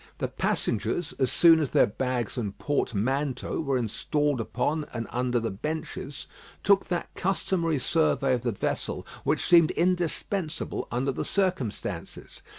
The passengers, as soon as their bags and portmanteaus were installed upon and under the benches, took that customary survey of the vessel which seems indispensable under the circumstances.